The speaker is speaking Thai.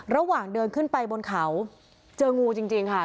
ระหว่างเดินขึ้นไปบนเขาเจองูจริงค่ะ